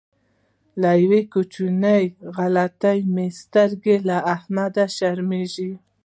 له یوې کوچنۍ غلطۍ مې سترګې له احمده شرمېږي.